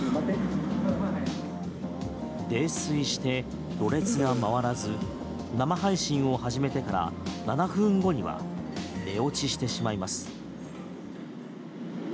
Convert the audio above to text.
泥酔して、ろれつが回らず生配信を始めてから７分後には寝落ちしてしまいます。